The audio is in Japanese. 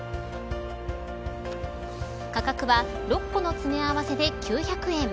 価格は６個の詰め合わせで９００円。